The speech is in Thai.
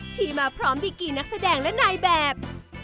ที่มาพร้อมดีกี่นักแสดงและนายแบบ